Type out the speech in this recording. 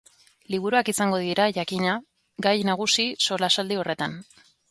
Liburuak izango dira, jakina, gai nagusi solasaldi horretan.